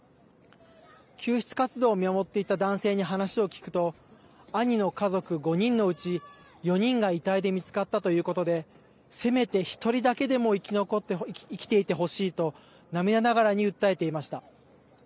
救出活動を見守っていた男性に話を聞くと兄の家族５人のうち４人が遺体で見つかったということでせめて１人だけでも生きていてほしいと涙ながらに訴えていました。